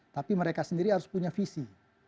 tapi mereka sendiri harus punya visi